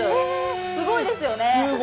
すごいですよね。